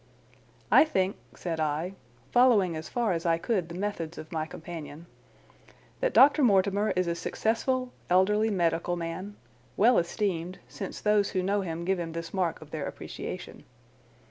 "I think," said I, following as far as I could the methods of my companion, "that Dr. Mortimer is a successful, elderly medical man, well esteemed since those who know him give him this mark of their appreciation."